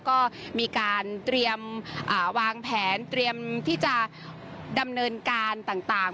ก็มีการเตรียมวางแผนเตรียมที่จะดำเนินการต่าง